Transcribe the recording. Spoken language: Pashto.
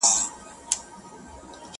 زه په دې افتادګۍ کي لوی ګَړنګ یم,